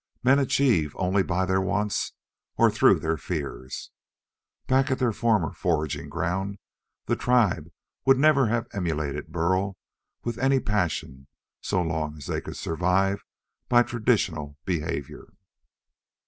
Men achieve only by their wants or through their fears. Back at their former foraging ground, the tribe would never have emulated Burl with any passion so long as they could survive by traditional behavior.